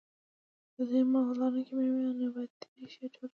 دوی مغز لرونکې میوې او نباتي ریښې ټولولې.